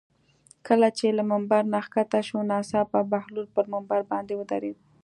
کله چې له ممبر نه ښکته شو ناڅاپه بهلول پر ممبر باندې ودرېد.